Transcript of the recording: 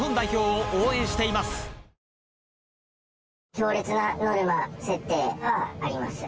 強烈なノルマ設定があります。